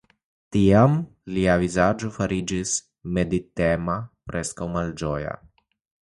Tiam lia vizaĝo fariĝis meditema, preskaŭ malĝoja.